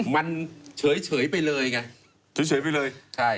มันเฉยไปเลยไงเกี้ยงจะไปเลยไหม